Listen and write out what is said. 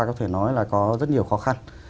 có thể nói là có rất nhiều khó khăn